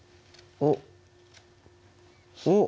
おっ！